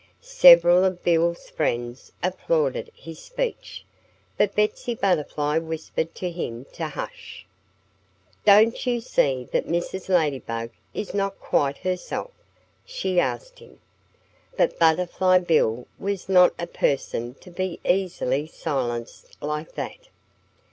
Several of Bill's friends applauded his speech. But Betsy Butterfly whispered to him to hush. "Don't you see that Mrs. Ladybug is not quite herself?" she asked him. But Butterfly Bill was not a person to be easily silenced like that.